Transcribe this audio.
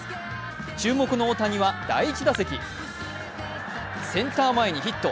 注目の大谷は第１打席、センター前にヒット。